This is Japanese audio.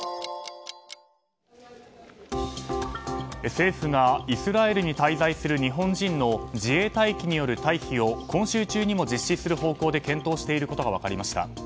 政府がイスラエルに滞在する日本人の自衛隊機による退避を今週中にも実施する方向で検討していることが分かりました。